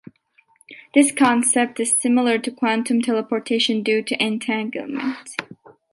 This concept is similar to quantum teleportation due to entanglement.